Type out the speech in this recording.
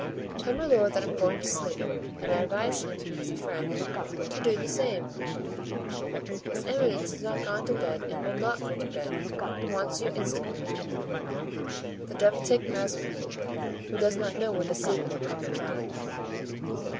"Tell my lord that I'm going to sleep, and I advise him, as a friend, to do the same." "His eminence is not gone to bed and will not go to bed, and wants you instantly." "The devil take Mazarin, who does not know when to sleep at the proper time.